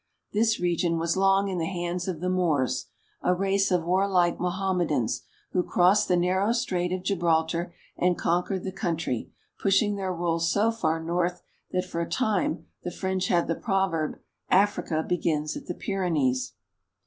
This region was long in the hands of the Moors, a race of warlike Mohammedans who crossed the narrow Strait of Gibraltar, and conquered the country, pushing their rule so far north that for a time the French had the proverb, " Africa begins at the Pyrenees."